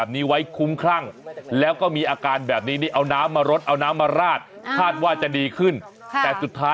เอางี้ละกันนี่คือปี๖๓ภาพเก่า